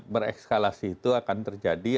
berekskalasi itu akan terjadi